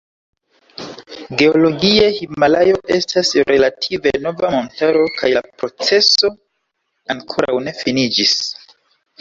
Geologie Himalajo estas relative nova montaro kaj la proceso ankoraŭ ne finiĝis.